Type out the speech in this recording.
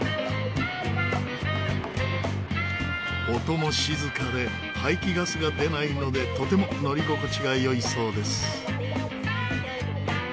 音も静かで排気ガスが出ないのでとても乗り心地が良いそうです。